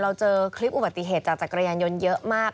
เจอคลิปอุบัติเหตุจากจักรยานยนต์เยอะมาก